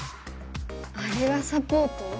あれがサポート？